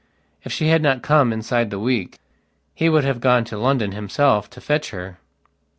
If she had not come inside the week he would have gone to London himself to fetch her.